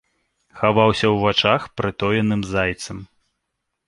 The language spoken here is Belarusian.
Хаваўся ў вачах прытоеным зайцам.